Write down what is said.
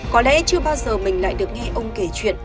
có lẽ chưa bao giờ mình lại được nghe ông kể chuyện